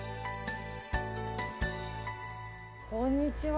こんにちは。